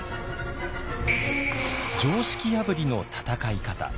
常識破りの戦い方